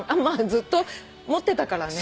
ずっと持ってたからね。